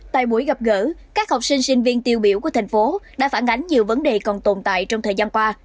tại buổi gặp gỡ các học sinh sinh viên tiêu biểu của thành phố đã phản ánh nhiều vấn đề còn tồn tại trong thời gian qua